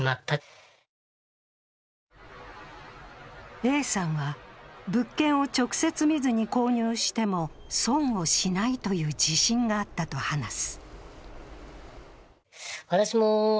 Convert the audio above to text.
Ａさんは物件を直接見ずに購入しても、損をしないという自信があったと話す。